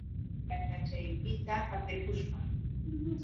Warakachaykita hapirikushpa.